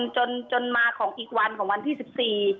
จนมาของอีกวันของวันที่๑๔